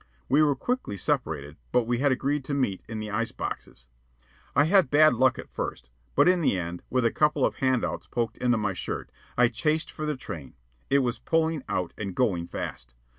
We were quickly separated; but we had agreed to meet in the ice boxes. I had bad luck at first; but in the end, with a couple of "hand outs" poked into my shirt, I chased for the train. It was pulling out and going fast.